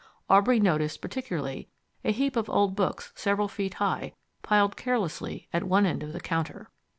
Aubrey noticed particularly a heap of old books several feet high piled carelessly at one end of the counter.